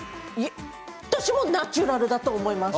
私もナチュラルだと思います。